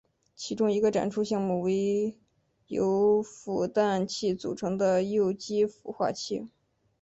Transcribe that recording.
其中一个展出项目为由孵蛋器组成的幼鸡孵化器。